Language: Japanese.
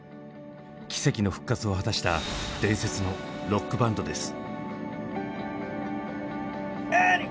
奇跡の復活を果たした伝説のロックバンドです。